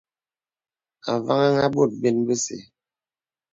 Avàŋhā nə bòt bə̀n bese.